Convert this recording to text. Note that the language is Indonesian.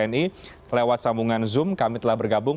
tni lewat sambungan zoom kami telah bergabung